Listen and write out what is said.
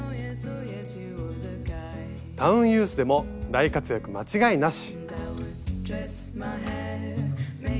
タウンユースでも大活躍間違いなし。